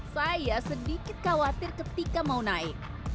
saya sedikit khawatir ketika mau naik